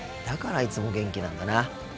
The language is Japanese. だからいつも元気なんだな。